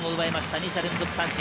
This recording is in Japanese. ２者連続三振。